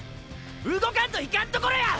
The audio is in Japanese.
動かんといかんところや！！